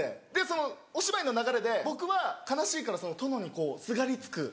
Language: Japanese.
そのお芝居の流れで僕は悲しいから殿にすがりつく。